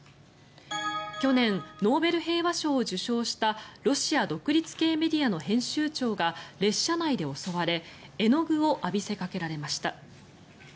去年、ノーベル平和賞を受賞したロシア独立系メディアの編集長が列車内で襲われ絵の具を浴びせかけられました。